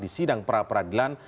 di sidang pra peradilan